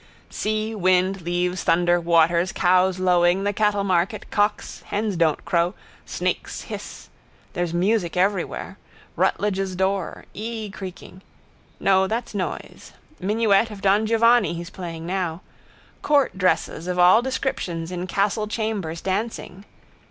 Sea, wind, leaves, thunder, waters, cows lowing, the cattlemarket, cocks, hens don't crow, snakes hissss. There's music everywhere. Ruttledge's door: ee creaking. No, that's noise. Minuet of Don Giovanni he's playing now. Court dresses of all descriptions in castle chambers dancing.